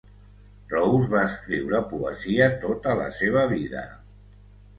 Rowse va escriure poesia tota la seva vida.